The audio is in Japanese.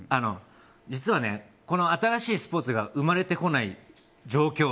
実は新しいスポーツが生まれてこない状況